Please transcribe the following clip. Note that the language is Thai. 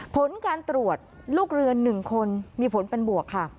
ผลการตรวจลูกเรือ๑คนมีผลเป็นบวกค่ะ